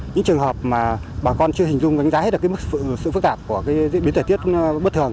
những trường hợp mà bà con chưa hình dung gánh giá hết là sự phức tạp của biến thể tiết bất thường